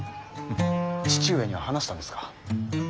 父上には話したんですか？